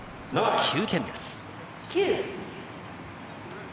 ９点です。